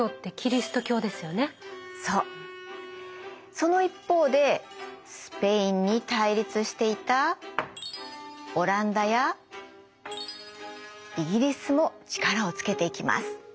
その一方でスペインに対立していたオランダやイギリスも力をつけていきます。